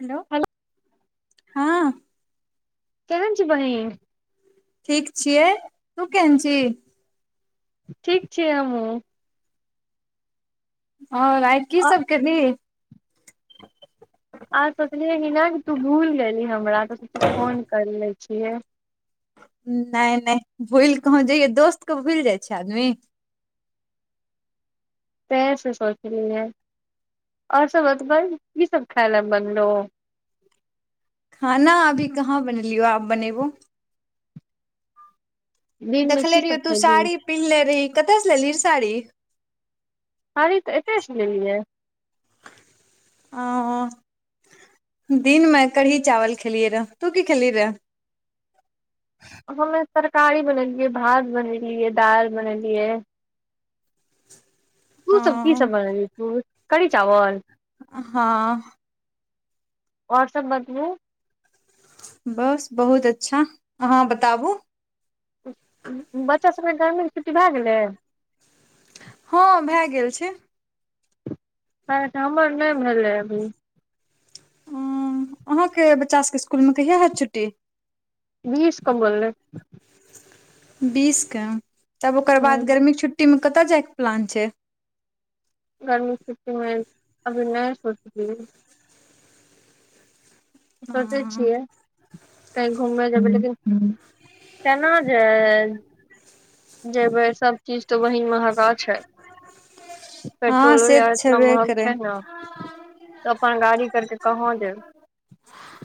hello हँ केहेन छी बहिन ठीक छियै तू केहेन छी ठीक छियै हमहूँ आओर आइ की आ सब केलही आय सोचलियै कि नहि तू भूलि गेलही हमरा तऽ फोन कर लै छियै नहि नहि भूलि कही जइयै दोस्तके भूलि जाइ छै आदमी तैं से सोचलियै आओर सब बतबइ कि सभ खाय लए बनलो लियौ आब बनेबो दिन मे देखले की रहियौ सब तू खैली साड़ी पिन्हले रहि कतयसँ लेलही साड़ी साड़ी तऽ एतयसे लेलियै ओ दिनमे कढ़ी चावल खेलियै रहय तू की खेलिही रहय हमे तरकारी बनेलियै भात बनेलियै दालि बनेलियै तू सब की सब अ बनेलहि कढ़ी चावल हँ आओर सब बतबु बस बहुत अच्छा अहाँ बताबू बच्चा सभके गर्मीे छुट्टी भए गेलै हँ भए गेल छै आइ तऽ हमर नहि भेलै अभी अहाँके बच्चा सभके स्कुलमे कहिया हैत छुट्टी बीस को बोललै बीसके तब ओकर हूँ बाद गर्मीक छुट्टी कतय जाइ के प्लान छै गर्मी छुटीमे अभी नहि सोच लिए सोचय हँ छियै कहीँ घूमय जेबै लेकिन केना जे जेबै सभचीज तऽ बहिन महगा छै पेट्रोलो से तऽ आर एतना छेबे महग करै छै ने तऽ अपन गाड़ी करके कहाँ जएब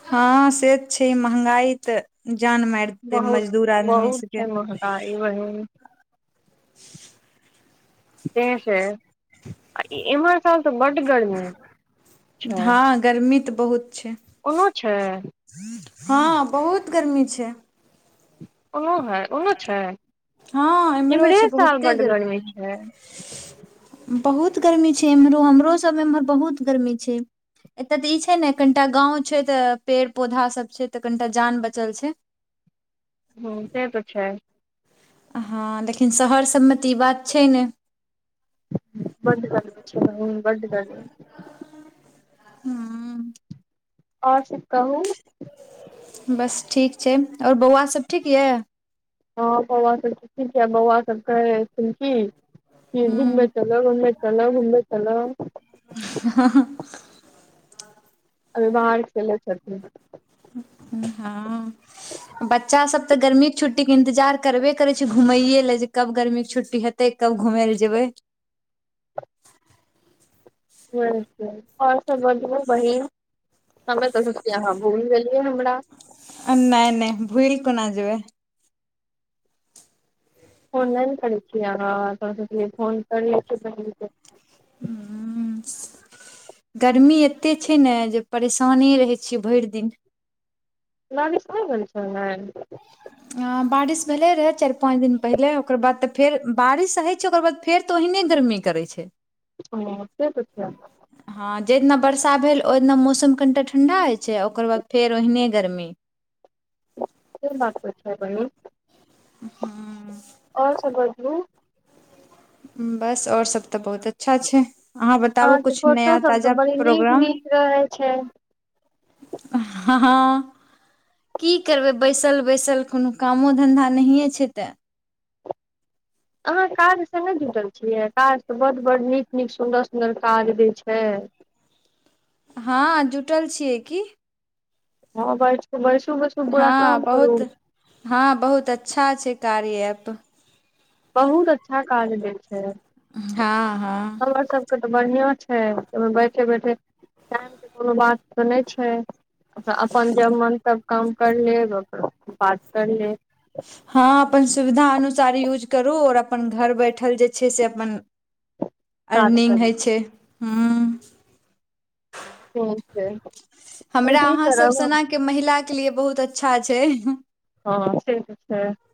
हँ से तऽ छै महंगाई तऽ जान मारि देतय बहुत मजदूर आदमी बहुत सबके छै महगाई बहिन [unintelligible] तैं से आ ई एम्हर [unintelligible] छै हँ गर्मी तऽ बहुत छै ओनो छै हँ बहुत गर्मी छै ओहो है ओहो छै हँ इम्हरो इम्हरे छै साल बहुते बड्ड गर्मी छै बहुत गर्मी छै एम्हरो हमरोसभ एम्हर बहुत गर्मी छै एतय तऽ ई छै ने कनिटा गाँव छै तऽ पेड़ पौधा सभ छै तऽ कनिटा जान बचल छै ह से तऽ छै हँ लेकिन शहर सभमे तऽ ई बात छै ने बड्ड गर्मी छै बड्ड गर्मी हँ आओर सभ कहू बस ठीक छै आओर बौआसभ ठीक यए हँ बौआ सब ठीक छै बौआ सबके कहय छथिन्ह की की घुमने हूँ चलो घुमने चलो घुमने चलो ह अभी बाहर खेलय छथि हँ बच्चासभ तऽ गर्मीके छुट्टीके इन्तजार करबे करै छै घुमैयए लेल जे कब गर्मीक छुट्टी हेतै कब घूमय लए जेबै [inaudible] ओर सब बतबु बहिन हमे तऽ सोचलिये अहाँ भुलि गेलि हे हमरा नैय नैय भुलि कोना जेबै फोन नै न करै छीये अहाँ थोड़ा सोचलियै फोन करै छी बहिन के हूँ गरमी एते छै ने जे परेशाने रहै छियै भैर दिन बारिश सु ब छ ने [unintelligible] बारिश भेले रहे चारि पाँंच दिन पहिले ओकर बाद तऽ फेर बारिश होय छै ओकर बाद फेर तऽ ओहिने गर्मी गर्मी करै छै ओ क पछ [unintelligible] जहि दिना वर्षा भेल ओहि दिना मौसम कनिटा ठण्डा होइ छै आ ओकर बाद फेर ओहिने गरमी के ब छै ब [unintelligible] हूँ ओर सब बतबु बस और सब तऽ बहुत अच्छा छै अहाँ बताबु अहाँके कुछ फोटो नया सब तऽ ताजा बड़ी नीक प्रोग्राम नीक रहै छै हँ हाँ की करबै बैसल बैसल कोनो कामो धन्धा नहिए छै तऽ अहाँ काज सँ नहि जुटल छियै काज त बड्ड बड्ड नीक नीक सुन्दर सुन्दर काज दैत छै [inaudible] हँ जुटल छियै की हँ बस हँ बहुत हँ बहुत अच्छा छै कार्य ऐप बहुत अच्छा काज दै छै हँ हँ हमर सबके तऽ बढ़ियां छै ओहिमे बैठे बैठे टाइमके कोनो बात तऽ नहि छै अपन जब मन तब काम कर लेब बात कर लेब हँ अपन सुविधा अनुसार यूज करू आओर अपन घर बैठल जे छै से अपन [inaudible] अर्निंग कर होइ छै हुं हं छै हमरा अहाँसभ सनाके महिलाके लिए बहुत अच्छा छै हँ से तऽ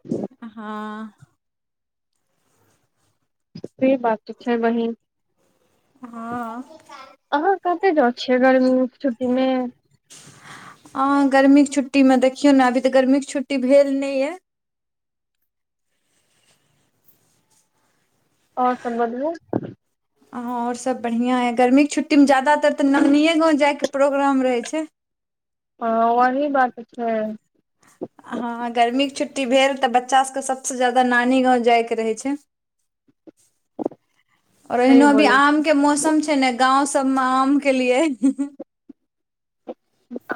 छै हँ से बात तऽ छै बहिन हँ कत जाइ छियै गर्मी छुट्टीमे छुट्टी मे देखियौ ने अभी तऽ गर्मीके छुट्टी भेल नहि ये आओर सुन बदलू [unintelligible] हँ और सब बढ़ियां ए गर्मी के छुट्टी मे ज्यदातर तऽ नानिए गांव जाय के प्रोग्राम रहै छै हँ ओही बात तऽ छै हँ गर्मीेक छुट्टी छुट्टी भेल तऽ बच्चा सबके सबसँ ज्यादा नानी गाँव जायके रहै छै ओर सही एहिनो अभी बोलै छी आम के मौसम छै ने गाँंव सबमे आम के लिए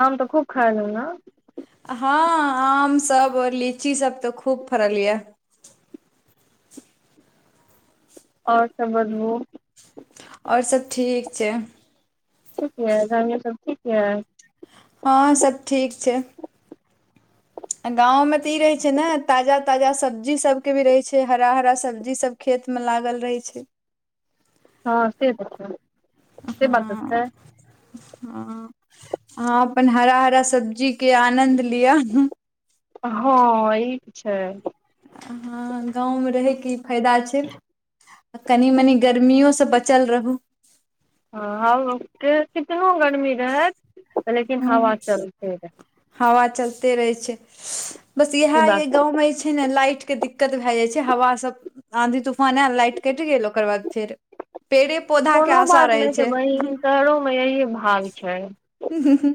आम तऽ खूब खायोलौं न हँ आमसभ आओर लीचीसभ तऽ खूब फड़ल ये [inaudible] आओर सभ बतबू आओर सब ठीक छै ठीक यै गानियो सब ठीक यै हँ सभ ठीक छै गाँंवमे तऽ ई रहे छै ने ताजा ताजा सब्जी सबके भी रहे छै हरा हरा सब्जी सब खेत खेतमे लागल रहै छै हँ से त छै से बात त' छै हँ हँ अपन हरा हरा सब्जीके आनन्द लिअ हँ ई छै हँ गाँवमे रहयके ई फायदा छै आ कनि मनी गर्मियोसँ बचल रहू ह त कितनो ग रमी रहत लेकिन ह हवा चलते रहत ते रहै छै बस ई इएह य बात गाँव मे जे छै ने लाइट के दिक्कत भए जाय छै हवा सब आँधी तूफान आएल लाइट कटि गेल ओकर बाद फेर पेड़े पौधा के कोनो आशा बात रहै नहि छै बहिन शहरोमे यही भाग छै हुंहुंहुं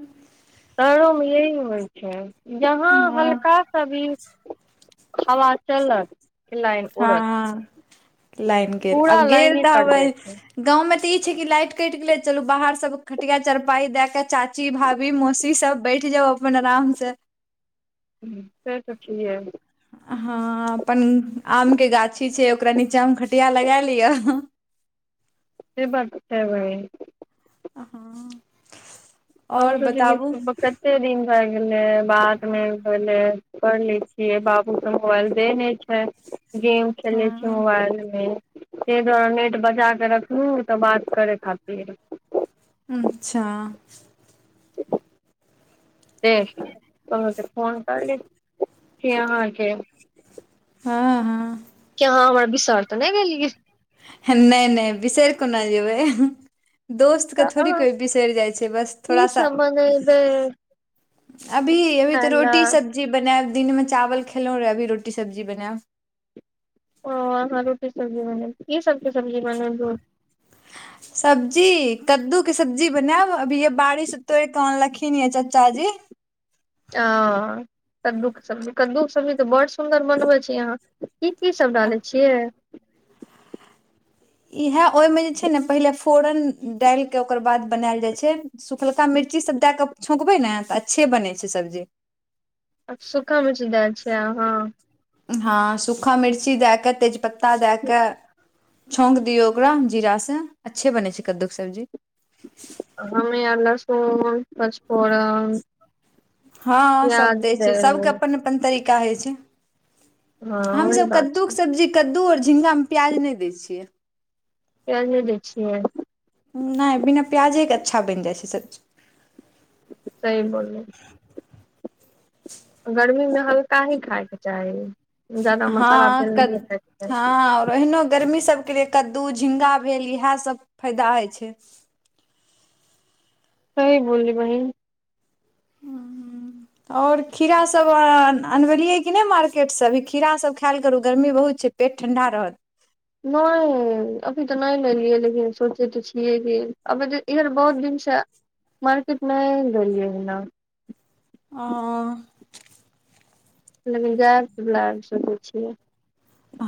शहरो मे यही होइ छै जहाँ हँ हल्का सा भी हवा चलत लाइन उड़त हँ ह लाइन गेल आब पूरा गेल लाइने कट जाइ छै तऽब गाँव मे त ई छै कि लाइट कटि गेलै चलू बाहर सब खटिया चरपाइ दे के चाची भाभी मौसी सब बैठ जाउ अपन आराम से सैरसो छियै हँ अपन आम के गाछी छै ओकरा नीचामे खटिया लगा लिअ से बात छै बहिन हाँ हम सोचलियै कतेक दिन भए गेलै बात नै भेलै कर ले छियै बाबू के मोबाइल दे ने छै गेम खेलै छी हँ मोबाइलमे ताहि दुआरे नेट बचा कऽ रखलहुँ तऽ बात करय खातिर अच्छा देखि तऽ अहाँक फोन करली से अहाँ आर के हँ किया अहाँ हमरा बिसरि तऽ नहि गेलियै नइ नइ बिसइर कोना जेबै दोस्त के तऽ थोड़ी अहाँ कोइ बिसइर जाइ छै बस थोड़ा की सा सब बनेबै अभी अभी तऽ खाय रोटी लए सब्जी बनायब दिनमे चावल खेलहुँ रहै अभी रोटी सब्जी बनायब ओ अहां रोटी सब्जी बनेबै की सबके सब्जी बनेबय सब्जी कद्दू के सब्जी बनायब अभीये बारीसं तोड़ि कऽ अनलखिन ये चाचा जी [inaudible] ओ कद्दूक सब्जी कद्दूक सब्जी तऽ बड्ड सुन्दर बनबैत छी अहाँ की की सब डालै छियै इहा ओहिमे जे छै ने पहिले फोरन डालि के ओकर बाद बनायल जाय छै सुखलका मिर् ची सब दएक छौंकबै ने तऽ अच्छे बनै छै सब्जी सुखा मिर्ची दय छी आहाँ हँ सूखा मिर्ची दए कऽ तेजपत्ता दए कऽ छौँक दियौ ओकरा जीरासँ अच्छे बनै छै कद्दूके सब्जी हमे और लहसुन पचफोरन हँ सभ प्याज दै छै देबै सबके अपन अपन तरीका होइ छै हँ वही हमसभ बात छै कद्दूक सब्जी कद्दू आओर झिंगामे प्याज नहि दै छियै प्याज नहि दै छियै नहि बिना प्याजेके अच्छा बनि जाइ छै सब्जी सही बोललियै गर्मी मे हल्का ही खायके चाही जादा मसाला तेल हँ क नहिये खायके चाही हँ आओर एहिनो गर्मी सब कद्दू झींगा बेल इएह सब फयदा होइ छै सही बोलली बहिन और खीरा सब अनबेलियै की नहि मार्केट से अभी खीरा सब खायल करू गर्मी बहुत छै पेट ठण्डा रहत नहि अभी तऽ नहि लेलियै लेकिन सोचय तऽ छियै जे अभी तऽ इधर बहुत दिन से मार्केट नहि गेलियै ने अह लेकिन जयब तऽ लए आबि सकैत छियै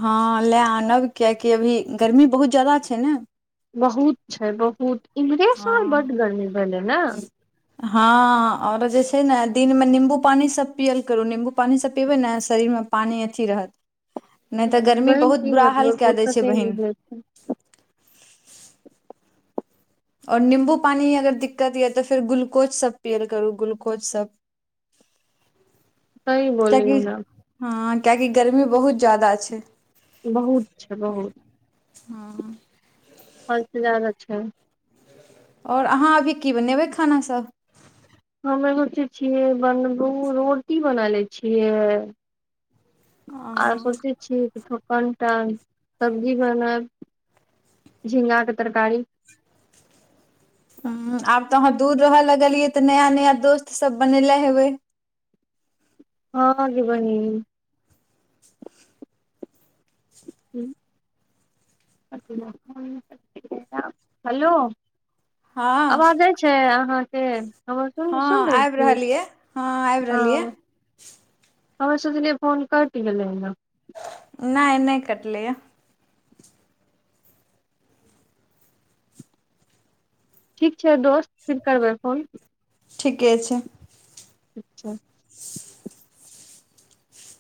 हँ लए आनब कियकि अभी गर्मी बहुत ज्यादा छै ने बहुत छै बहुत इम्हरे साल हँ बड्ड गर्मी भेलै ने हँ औरो जे छै ने दिन मे नीम्बू पानी सब पियल करु नीम्बू पानी सब पीबै ने शरीर मे तऽ पानी अथी रहत नहि तऽ गर्मी बहिन बहुत कि बुरा हाल बतेब कए दै छै फुरसते नहि बहिन भेल [inaudible] आओर निम्बू पानि अगर दिक्कत यऽ तऽ फेर ग्लुकोजसभ पियल करू ग्लुकोजसभ सही बोलियौ नै हँ कियाकि गर्मी बहुत ज्यादा छै बहुत छै बहुत हद से ज्यादा छै आओर अहाँ अभी की बनेबै खानासभ हम एगो चीज छियै बनबू रोटी बनाए लए छियै आर हँ सोचै छियै कि थोकन टा सब्जी बनयब झिंगाके तरकारी ह आब तऽ अहाँ दूर रहय लगलियै तऽ नया नया दोस्तसभ बननेे हेबै हँ गे बहिन हेलो [unintelligible] हँ आवाज जाय छै अहाँके हँ सुन सुन हँ रहै आबि छी रहल ये हँ आबि हँ रहल ये हम्मे सोच लिए फोन कैट गेलै हने नहि नहि कटलए यै ठीक छै दोस्त फिर करबै फोन ठीके छै अच्छा